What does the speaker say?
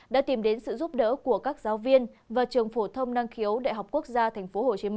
đã tìm đến sự giúp đỡ của các giáo viên và trường phổ thông năng khiếu đại học quốc gia tp hcm